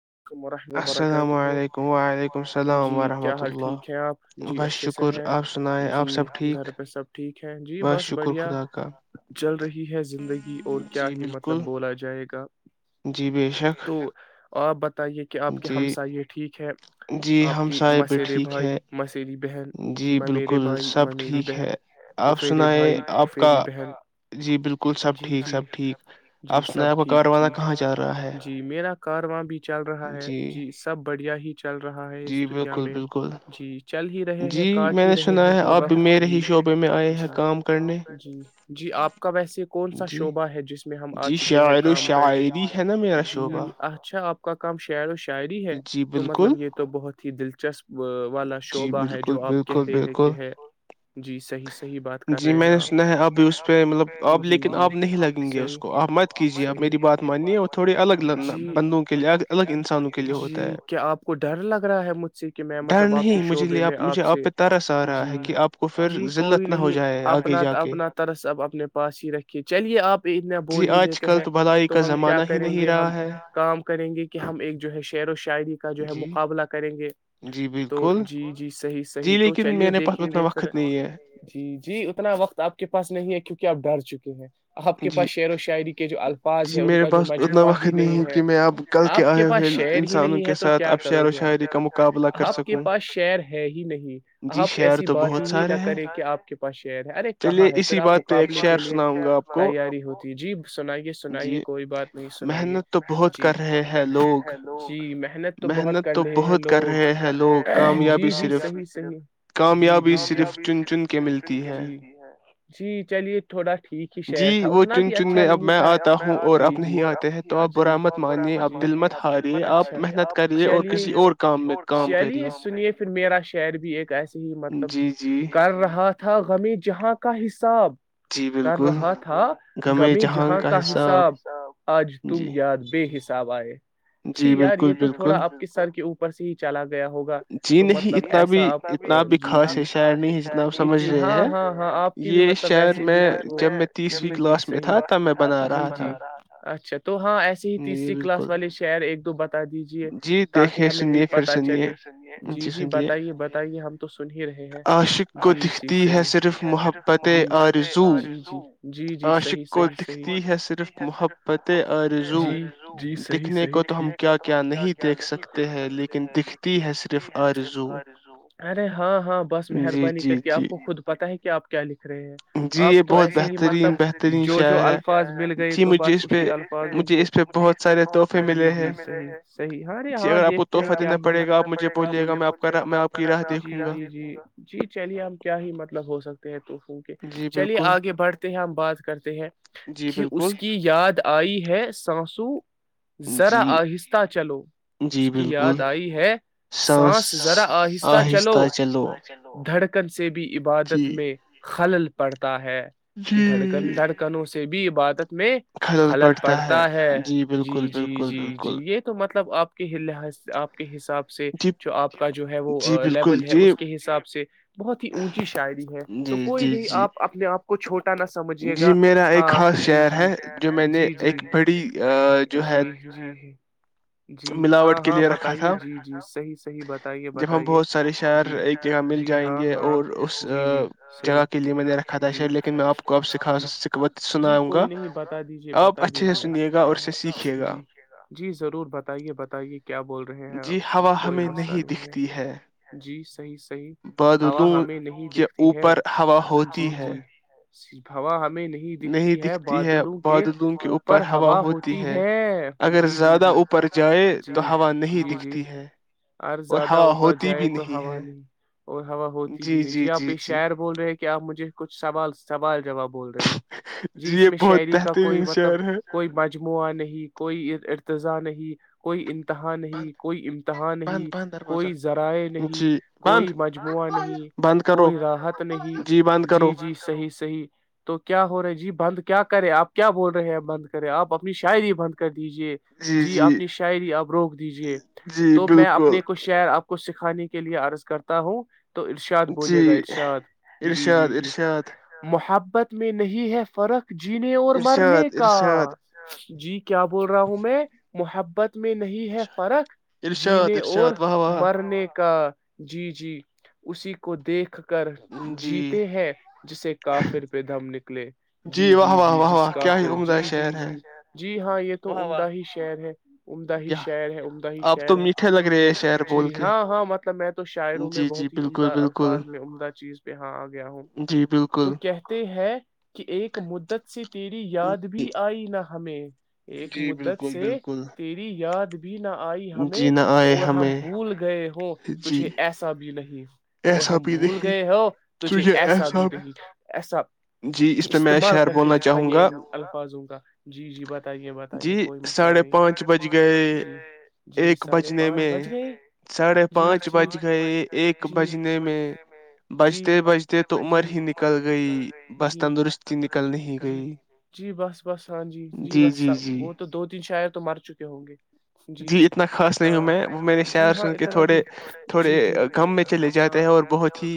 ولیکم رحملہ وبرکاتہ جی کیا حال ٹھیک ہے آپ جی اچھے سے ہیں جی گھر پہ سب ٹھیک ہے جی بس بڑھیا چل رہی ہے زندگی اور کیا ہی مطلب بولا جائے گا تو آپ کہ آپ کے ہمساہ یہ ٹھیک ہے آپ کی مسرے بھائی مسری بہن م میرے بھائی م مری بہن پفیرے بھائی پفری بہن جی جی جی سب ٹھیک ج جی میرا کارواں بھی چل رہا ہے جی سب بڑھیا ہی چل رہا ہے اس دنیا میں جی چل ہی رہے ہیں کاٹ ہی رہے ہیں کہ وقت جی جی جی آپ کا ویسے کون سا شعبہ ہے جس میں میں ہم آ چکے ہیں کام کرنے جی اچھا آپ کا کام شاعر و شاعری ہے تو مطلب یہ تو بہت ہی دلچسپ والا شعبہ ہے جو آپ کہہ رہے ہیں کہ ہے جی صحیح صحیح بات کر رہے ہیں آپ جی جیح آپ مت کیجیے آپ میری بات مانیے اور تھوڑی الگ بندوں جی کیا آپ کو ڈر لگ رہا ہے مجھ سے کہ میں مطلب آپ کے شعبے میں آپ سے جی جی کوئی نہیں اپنا اپنا طرس اب اپنے پاس ہی رکھے چلیے آپ بول ہی لیتے ہیں تو ہم کیا کریں گے ہم کام کریں گے کہ ہم ایک جو ہے شعر و شاعری کا جو ہے مقابلہ کریں گے تو جی جی صحیح صحیح تو چلیے دیکھیں گے پھر جی جی اتنا وقت آپ کے پاس نہیں ہے کیونکہ آپ ڈر چکے ہیں آپ کے پاس شعر و شاعری کے جو الفاظ ہے ان کا جو مجموعہ ہی نہیں ہے آپ کے پاس شہر ہی نہیں ہے تو کیا کرو گے آپ آپ کے پاس شہر ہے ہی نہیں آپ ایسی بات ہی نہ کریں کہ آپ کے پاس شہر ہے ارے کہاں ہے پھر آپ مقابلے کے لیے تیاری ہوتی جی جی سنائیے سنائیے کوئی بات نہیں سنائیے جی بہت کر رہے ہیں لوگ ج محنت تو بہت کر رہے ہیں لوگ رہے جی جی صحیح صحیح جی جی صر چ جی چلیے تھوڑا ٹھیک ہی شہر تھا اتنا بھی اچھا نہیں تھا ا مرآحد منی عبد چلیے چلیے سنیے پھر میرا شعر بھی ایک ایسے ہی مطلب کر رہا تھا غم جہاں کا حساب کر رہا تھا گمی جہاں کا حساب آج تم یاد ب حص حساب ہے جی یار یہ تو تھوڑا آپ کے سر کے اوپر سے ہی چلا گیا ہوگا تو مطلب ایسا آپ جی جی ہاں ہاں ہاں آپ کی بھی مطلب ویسے بھی کچھ وہ جیی اچھا تو ہاں ایسے ہی تیسری کلاس والے ش خیر ایک دو بتا دیجے تاکہ ہمیں بھی پت چلے جی جی بتائیے بتائیے ہم تو سن ہی رہے ہیں جی جی صحیح صرف جی ج جی جی جی صحیح صحیححیح جی جی صحیح صحیح ٹھیک ہے تو ہم کیا کیا نہیں دیکھ سکتے ہیں لیکن دکھتی ہے صرف آ ارے ہاں ہاں بس مہربانی کر کے آپ کو خود پتہ ہے کیاپ کیا لکھ ے ہیں اب تو ایسے ہی مطلب جو جو الفاظ مل گئے تو بس اسی الفاظوں کو بہت سارے مےحی ہرے ہاں دیکھتے ہیں کیا پڑے گاجھ بلیے گا جی چلیے ہم کیا ہی مطلب ہو سکتے ہیں چلیے آگے بڑھتے ہیں ہم بات کرتے ہیں کہ اس کی یاد آئی ہے سانس دو ذرا آہستہ چلو اس کی یاد آئی ہے سانس ذرا آہستہ چلو چلو دھڑک سے بھی عبادت میں خلل پڑتا ہے کہ دھڑکن دھڑکنوں سے بھی یہ بات ہے میں خلل پڑتا ہے جی جی جی جی یہ تو مت طلب آپ کے لحاظ سے آپ کے حاب حساب سے جو آپ کا جو ہے وہ لیول ہے اس کے حساب سے بہت ہی اونچی شاعری ہے تو کوئی نہیں آپ اپنے آپ کو چھوٹا نہ سمجھیے گا ہاں جی جی جی جی جی جی جی ہاں ہاں بتائیے جی جی صحیح صحیح بتائیے بتائیے جی جی ہاں ہاں جی جی صحیح جی جی جی کوئی نہیں بتا دیجے بتا دیجے جی جی ضرور بتائیے بتائیے کہ ج رہے ہیں آپ جی کوئی مسئلہ نہیں ہے جی صحی صحیح ہوا ہمیں نہیں دکھتی ہے جی جی باوا حال میں نہیں دکھتی ہے بادلوں کے اوپر ہوا ہوا ہوتی ہے جی جی جی جی جی جی ار زیادہ اوپر جائے تو ہوا نہیں اور ہوا ہوتی بھی نہیں جی آپ یہ شہر بول رہے کیا مجھے کچھ سوال سوال جواب بول رہے ہیں جی اس میں شہری کا کوئی مطلب کوئی مجموعہ نہیں کوئی ا ارتضا نہیں کوئی ان تہا نہیں کوئی امتہا نہیں کوئی ذرائع نہیں کوئی مجموعہ نہیں کوئی راحت نہیں جی جی صحیح صحیح تو کیا ہو رہا جی بند کیا کریں آپ کیا بول رہے ہیں بند یں آپ اپنی شاعری بند کر ج دیجیے جی اپنی شاعری آپ روک دیجیے تو میں اپنے کو شعر آپ کو سکھانے کے لیے عرض کرتا ہوں تو ارشاد بولیے گا ارشاد جی جی جی محبت پت میں نہیں ہے فرق جینے اور مرنے کا جی کیا بول رہا ہوں میں محب میں نہیں ہے فرق جینے اور مرنے کا جی جی اسی کو دیکھ کر کر جیتے ہیں جسے کافر پہ دھم نکلے جی واہ واہ واہ واہ کیا ہی عمدہشا جز جی ہاں یہ تو عمدہ ہی شہر ہے عمدہ ہی شاعر ہے عمدہ ہی شہر ہے تو جی ہاں ہاں مطلب میں تو شاعروں میں بہت ہی عمدہ الفاظ میں عمدہ چیز پہ ہاں آ گیا ہوں تو کہتے ہے کہ ایک مدت سے تیری یاد بھی نہ ہمیں ایک مدت سے تیری یاد بھی نہ آئی ہمیں اور ہم بھول گئے ہوں تھے ایحسا بھی نہیںی اور ہم بھول گئے ہو تجھے ایسا بھی نہیں ایسا استعمال کر کے دکھائیے ان الفاظوں کو جی جی بتائیے بتائیے کوئی مسئلہ نہیں ہےھانچ جی ساڑھے پانچ بج گئے جی ج گ بچنے میں جی بجتے بجے تو عمر ہی نکل گئی جی بس تندرستی نکل نہیں گئی جی بس بس ہاں جی جی بس وہ تو دو تین شاعر تو مر چکے ہوں گے جی جی ہاں جی ہاں اتنا بھی ہےا جی جی ہاں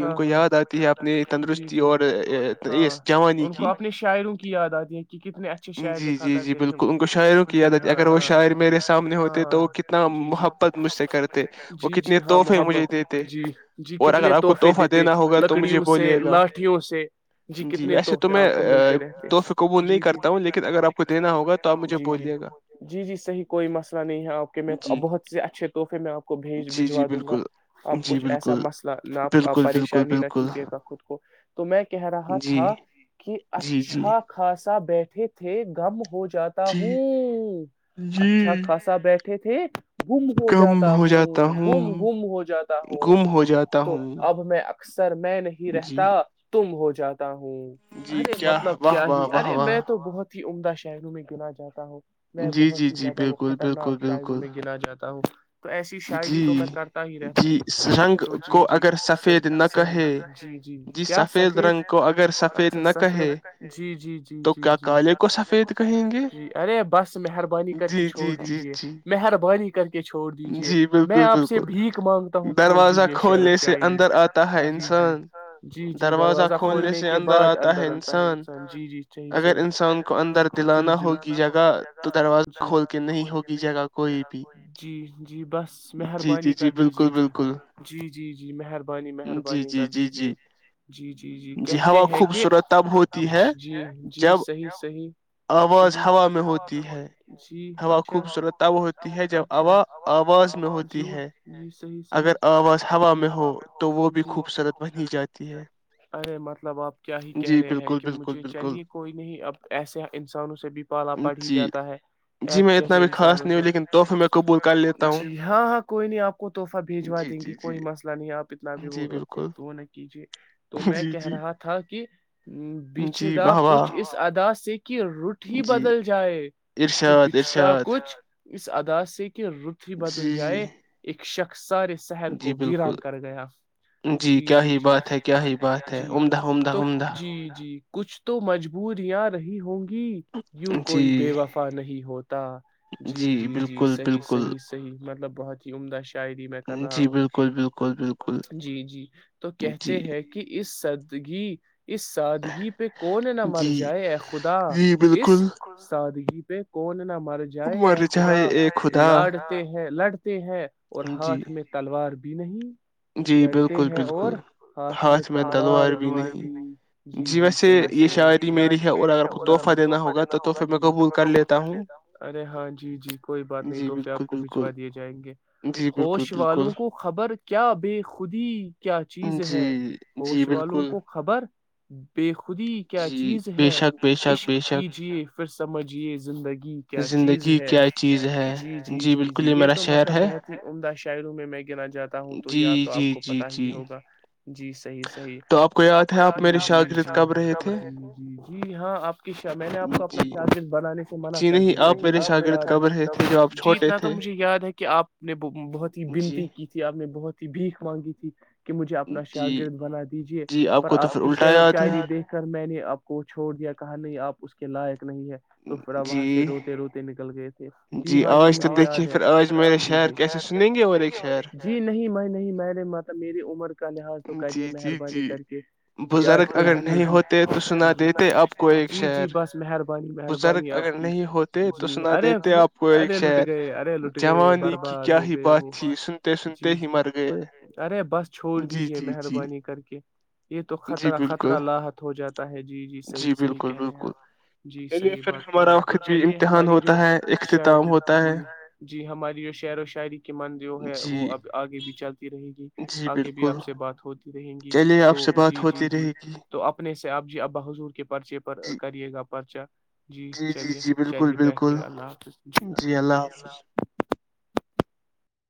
ہاں آ جی جی ہاں ان کو اپنے شاعروں کی یاد آتی ہے جی جی جی بالکل ان کو شاعروں کی یادتتی اگر وہ شاعر میرے سامنے ہوتے تو وہ کتنا محبت مجھ سے کرتے وہ کتنے تحفے مجھے دیتے جی جی کتنے تحفے دیتے لکڑیوں سے لاٹھیوں سے جی کتنے تحفے آپ کو ملتے رہتے جی جی ہوں جی جی جی جی صحیح کوئی مسئلہ نہیں ہے آپ کے بہت سے اچھے تحفے میں آپ کو بھیج بجوا دوں گا آپ کچھ ایسا مسئلہ نہ پریشانی نہ کیجیے گا خود کو تو میں کہہ رہا تھا کہ اچھا خاص بیٹھے تھے گم ہو ج جاہتا ہوں اچھا خاصا بیٹٹ اھے تھی گم ہو جاتا ہوں گم گم ہو جاتا ہوں تو اب میں اکثر میں نہیں رہتا تم ہو جات ہوں ارے مطلب کیا ہی ارے میں تو بہت ہی عمدہ شہروں میں گنا جاتا ہو میں بہت ہی زیادہ وہ خطرناک شاروں میں گنا جاتا تاؤ تو ایسی شاعری تو میں کرتا ہی رہتا ہوں تو جی جی صحیححیح جی جی کیا سفید اچھا سفید جی جی جی جی جی ارے بس مہربانی کر کے چھوڑ دیجیے مہرب ب کر چھوڑ دیجے میں آپ سے بھیک مانگتا ہوں چھوڑ دیجے شعر و شاعری جی جی جی جی دروازہ کھولنے کے بعد اندر آتا ہے انسان جی جی اگر انسان کو اندر دلانا ہوگی جگہ تو دروازہ کھول کے نہیں ہوگی جگہ کوئی بھی جی بس مہربانی کر دیجیے جی جی جی جی مہربانی مہربانی کر دیجیے جی جی جی کہتے ہیں کہچ جی جی صحیح صحیححیحا جی اچھا خبصورت اچھا آواز میں ہوتی ہے اگر آواز ہوا میں ہو تو وہ بھی خوبصورت بنی جاتی ہے جی بالکل بالکل بالکل کوئی نہیں اب ایسے انسانوں سے بھی پالا پڑ ہی جاتا ہے ایپ جیسے انسانوں سے جی ہاں ہاں کوئی نہیں آپ کو تحفہ بھیجوا دیں گی کوئی مسئلہ نہیں آپ اتنا بھی وہ خود وہ نہ کیجے تو میں کہہ رہا تھا کہ بیچ دپ کچھ اس ادا سے کی رٹ ہی بدل جائے کہ بچھتا کچھ اس ادا سے روپ ہی بدل جائے اس شخ سارے شہر کو ویراں کر گیا جی جی جیات ہے جی تو جی جی کچھ تو مجبوریاں رہی ہوں گی ج یوں کوئی بے وفا نہیں ہوتا جی جی جی صحیح صحیح صحیح مطلب بہت ہی عمدہ شاعری میں کر رہا ہوں جی جی تو کہتے ہیں کہ اس سد گی اس سادگی پہ کون نہ مر جائے ا خدا اس سادگی کون نام مر جائے ا خدا لاڑتے ہیں لڑتے ہیں اور ہاتھ میں تلوار بھی بھی نہیں جی بالکل بالکل ہاتھ میں تلوار بھی نہیں جی ویسے تحفہ دینا ہوگا لیتا ہوں ارے ہاں جی جی کوئی بات نہیں توحفے آپ کو بجوا دیے جائیں گے ہوش والوں کو خبر کیا بے خودی کیا چیز ہے ہوش والوں کو خبر بے خ خودی کیا چیز ہے عشق کیجیے پھر سمجھیے زندگی کیا چیز ہے جی جی جی جی یہ تو مطلب بہت ہی عمدہ شاعروں میں گنا جاتا جی جی جی جی جی صحیح صحیح آپ کو جی جی ہاں آپ کی ش میں نے آپ کو اپنے شد ب منع کر دیا تھا ج جی اتنا تو مجھے یاد ہے کہ آپ نے بہت ہی بنتی کی تھی آپ نے بہت ہی بھیک مانگی تھی کہ مجھے اپنا شاگرد بنا دییا جیے پر آپ کی شعر و شاعری دیکھ نے آپ کو چھوڑ دیا کہا نہیں آپ اس کے لائق نہیں ہے تو پھرا وہاں سے روتے روتے نکل گئے جی ہاں یہ مجھے یاد ہے جی نہیں میں نہیں میں نے م میری عمر کا لحاظ تو کریے مہربانی کر کے جی آج کل زندگی تو سنا دیتے اب کو ایک شہر بزرگ اگر نہیں ہوتے تو سنا دیتے ارے لٹ گئے ارے لٹ گئے برباد ہو گئے وہ جی ارے بس چھوڑ دیجیے مہربانی کر کے یہ تو خطرہ خطرہ لاحت جاتا ہے جی جی صحیح صحی کہہ رہے ہیں آپ جی صحیح بات کہہ رہے ہیں آپ تو چلیے ہماری جو شاعری جی جی ہماری جو شعر و شاعری کی مند جو ہے وہ اب آگے بھی چلتی رہی گی آگے بھی آپ سے بات ہوتی رہیں گی تو جی جی جی تو آپ آپ جی ابا حضور کے پرچے پر کریے گا پررچا جی چلیے چلیے بیٹھیے اللہ حافظ جی اللہ حافظ اللہ حافظ